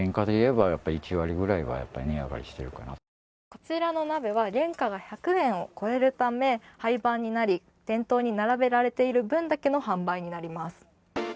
こちらの鍋は原価が１００円を超えるため廃盤になり、店頭に並べられている分だけの販売になります。